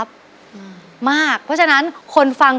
เรียกประกันแล้วยังคะ